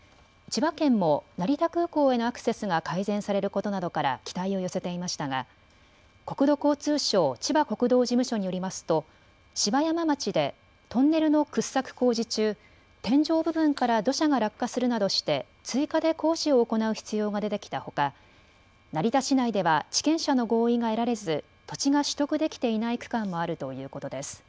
千葉県も成田空港へのアクセスが改善されることなどから期待を寄せていましたが国土交通省千葉国道事務所によりますと芝山町でトンネルの掘削工事中、天井部分から土砂が落下するなどして追加で工事を行う必要が出てきたほか成田市内では地権者の合意が得られず土地が取得できていない区間もあるということです。